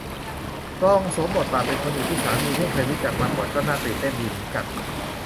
ลองสวมบทบาทเป็นคนอื่นที่สามีไม่เคยรู้จักมาก่อนก็น่าตื่นเต้นดีเหมือนกัน